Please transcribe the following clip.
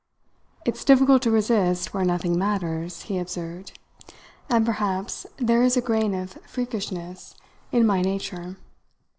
"It's difficult to resist where nothing matters," he observed. "And perhaps there is a grain of freakishness in my nature.